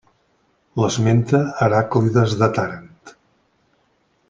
L'esmenta Heràclides de Tàrent.